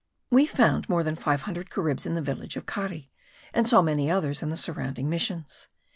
We found more than five hundred Caribs in the village of Cari; and saw many others in the surrounding missions.